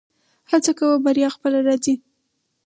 هڅه کوه بریا خپله راځي